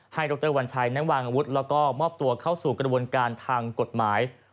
ดรวัญชัยนั้นวางอาวุธแล้วก็มอบตัวเข้าสู่กระบวนการทางกฎหมาย